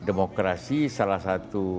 dan demokrasi salah satu tonggak di dalam bangsa ini